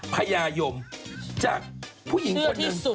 พญายมจากผู้หญิงคนหนึ่ง